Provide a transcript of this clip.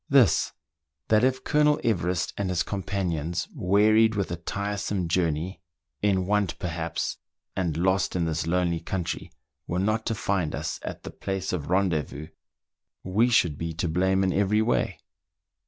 This :— that if Colonel Everest and his com panions, wearied with a tiresome journey, in want perhaps, and lost in this lonely country, were not to find us at the place of rendezvous, we should be to blame in every way.